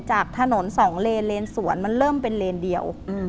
จากถนนสองเลนเลนสวนมันเริ่มเป็นเลนเดียว